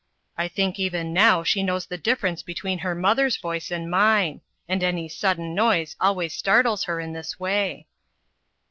"I think even now she knows the difference between her mother's voice and mine; and any sudden noise always startles her in this way."